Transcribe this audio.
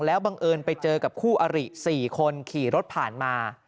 แล้วบังเอิญไปเจอกับคู่อริ๔คนขี่รถผ่านมา